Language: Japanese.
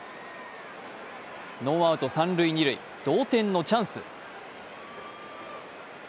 ノーアウト、三塁・二塁、同点のチャンス。